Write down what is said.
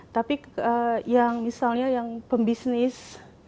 tapi yang misalnya yang pembisnis